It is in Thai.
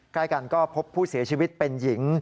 ใกล้กันก็พบผู้เสียชีวิตเป็นหญิง